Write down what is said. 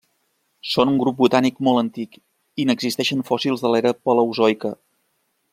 Són un grup botànic molt antic, i n'existeixen fòssils de l'era paleozoica.